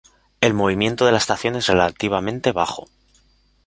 El movimiento de la estación es relativamente bajo.